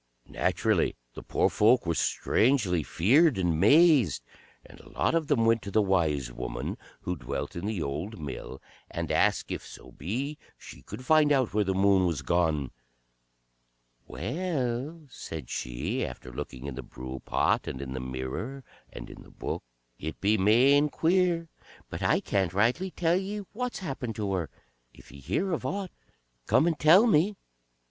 Naturally the poor folk were strangely feared and mazed, and a lot of them went to the Wise Woman who dwelt in the old mill, and asked if so be she could find out where the Moon was gone. "Well," said she, after looking in the brewpot, and in the mirror, and in the Book, "it be main queer, but I can't rightly tell ye what's happened to her. If ye hear of aught, come and tell me."